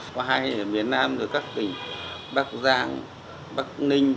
có hai ở miền nam các tỉnh bắc giang bắc ninh